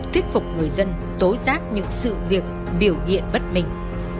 thuyết phục người dân tố giác những sự việc biểu hiện bất minh